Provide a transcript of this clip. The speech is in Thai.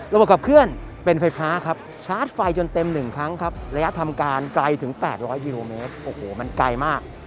ระบบขับเคลื่อนเป็นไฟฟ้าครับชาร์จไฟจนเต็ม๑ครั้งครับระยะทำการไกลถึง๘๐๐กิโลเมตรโอ้โหมันไกลมาก